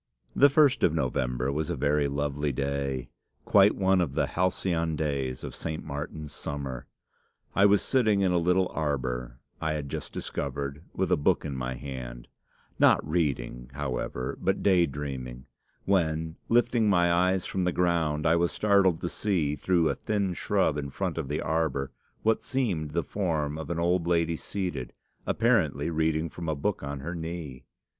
"The first of November was a very lovely day, quite one of the 'halcyon days' of 'St. Martin's summer.' I was sitting in a little arbour I had just discovered, with a book in my hand, not reading, however, but day dreaming, when, lifting my eyes from the ground, I was startled to see, through a thin shrub in front of the arbour, what seemed the form of an old lady seated, apparently reading from a book on her knee.